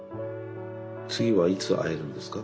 次はいつ会えるんですか？